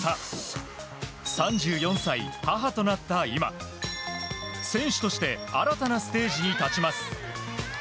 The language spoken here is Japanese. ３４歳、母となった今選手として新たなステージに立ちます。